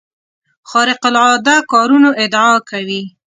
خارق العاده کارونو ادعا کوي.